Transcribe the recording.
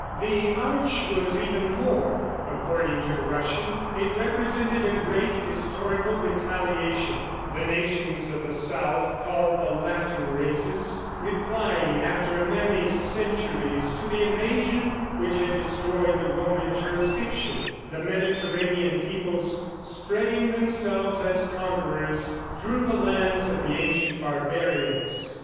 The Arch was even more, according to the Russian. It represented a great historical retaliation; the nations of the South, called the Latin races, replying, after many centuries, to the invasion which had destroyed the Roman jurisdiction the Mediterranean peoples spreading themselves as conquerors through the lands of the ancient barbarians.